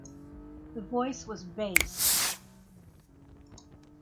The voice was bass.